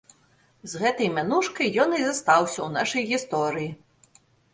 З гэтай мянушкай ён і застаўся ў нашай гісторыі.